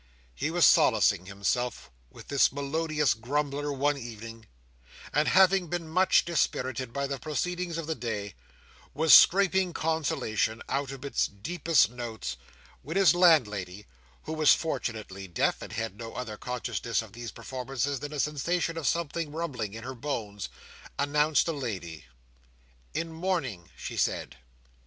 He was solacing himself with this melodious grumbler one evening, and, having been much dispirited by the proceedings of the day, was scraping consolation out of its deepest notes, when his landlady (who was fortunately deaf, and had no other consciousness of these performances than a sensation of something rumbling in her bones) announced a lady. "In mourning," she said.